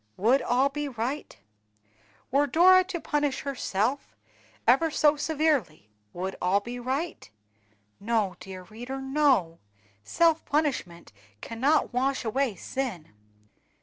Would all be right? Were Dora to punish herself ever so severely, would all be right? No, dear reader, no! self punishment cannot wash away sin.